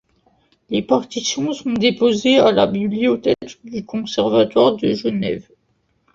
Les partitions sont déposées à la bibliothèque du Conservatoire de Genève.